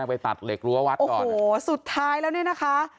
ไปตัดเหล็กรั้ววัดก่อนโอ้โหสุดท้ายแล้วเนี่ยนะคะ